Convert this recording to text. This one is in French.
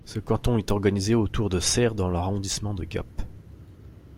Ce canton est organisé autour de Serres dans l'arrondissement de Gap.